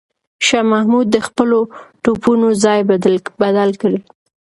شاه محمود د خپلو توپونو ځای بدل کړ.